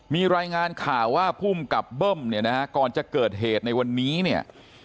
มีรายงานข่าวว่าผู้มกับเบิ้มก่อนจะเกิดเหตุในวันนี้